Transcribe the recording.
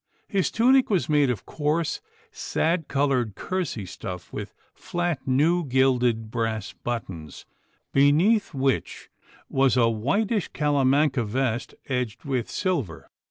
His tunic was made of coarse sad coloured kersey stuff with flat new gilded brass buttons, beneath which was a whitish callamanca vest edged with silver.